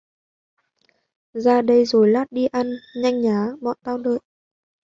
ra đây rồi lát đi ăn, nhanh nhá, bọn tao đợi